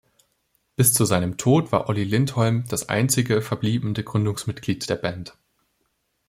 Bis zu seinem Tod war Olli Lindholm das einzige verbliebene Gründungsmitglied der Band.